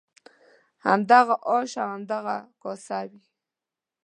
همدغه آش او همدغه کاسه وي.